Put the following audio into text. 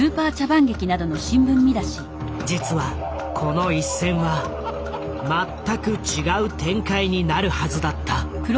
実はこの一戦は全く違う展開になるはずだった。